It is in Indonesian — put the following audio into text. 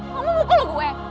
kamu mukul gue